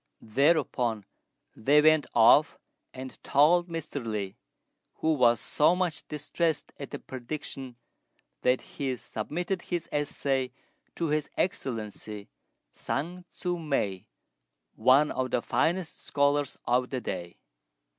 Thereupon they went off and told Mr. Li, who was so much distressed at the prediction that he submitted his essay to His Excellency Sun Tzŭ mei, one of the finest scholars of the day.